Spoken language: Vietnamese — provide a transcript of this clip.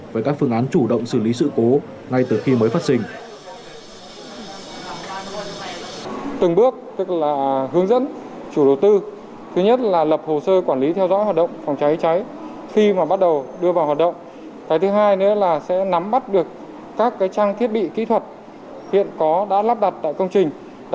với các phương án chủ động xử lý sự cố ngay từ khi mới phát sinh